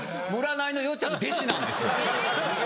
占いのよっちゃんの弟子なんですよ。